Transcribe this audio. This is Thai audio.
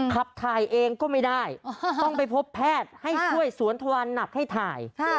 ขับถ่ายเองก็ไม่ได้ต้องไปพบแพทย์ให้ช่วยสวนทวันหนักให้ถ่าย